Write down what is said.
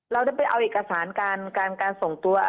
เราได้ไปเอาเอกสารการส่งตัว